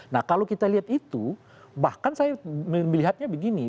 nah kalau kita lihat itu bahkan saya melihatnya begini